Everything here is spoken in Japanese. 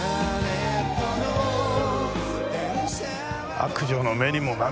悪女の目にも涙か。